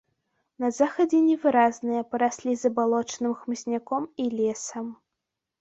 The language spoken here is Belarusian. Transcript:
На захадзе невыразныя, параслі забалочаным хмызняком і лесам.